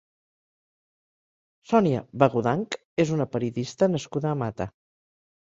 Sònia Bagudanch és una periodista nascuda a Mata.